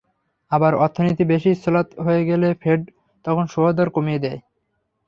আবার অর্থনীতি বেশি শ্লথ হয়ে গেলে ফেড তখন সুদহার কমিয়ে দেয়।